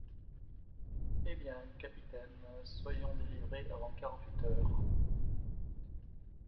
Eh bien, capitaine, soyons délivrés avant quarante-huit heures!